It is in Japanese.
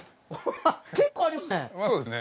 結構ありますね。